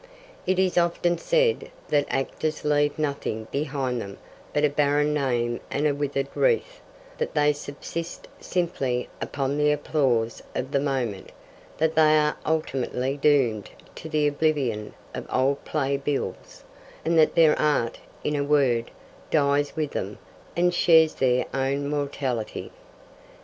It is often said that actors leave nothing behind them but a barren name and a withered wreath; that they subsist simply upon the applause of the moment; that they are ultimately doomed to the oblivion of old play bills; and that their art, in a word, dies with them, and shares their own mortality.